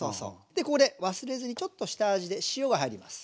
でここで忘れずにちょっと下味で塩が入ります。